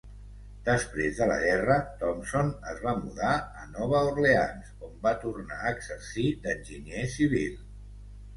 Després de la guerra, Thompson es va mudar a Nova Orleans, on va tornar a exercir d'enginyer civil.